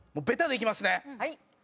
ベタでいきますね。